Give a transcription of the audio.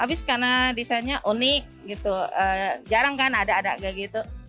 habis karena desainnya unik gitu jarang kan ada ada kayak gitu